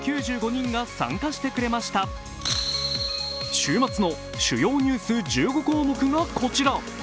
週末の主要ニュース１５項目がこちら。